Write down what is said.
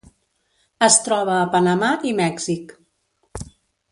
Es troba a Panamà i Mèxic.